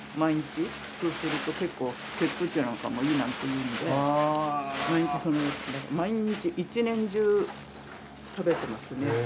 そうすると結構血糖値なんかもいいなんていうんで毎日１年中食べてますね。